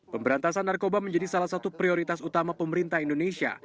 pemberantasan narkoba menjadi salah satu prioritas utama pemerintah indonesia